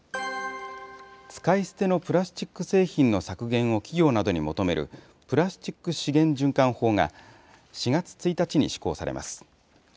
使い捨てのプラスチック製品の削減を企業などに求めるプラスチック資源循環法が、４月１日に施行されます。